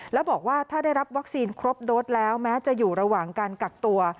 แล้วบอกว่าถ้าได้รับวัคซีนครบโดสแล้วแม้จะอยู่ระหว่างการกักตัว